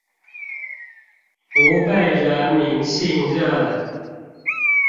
不被人民信任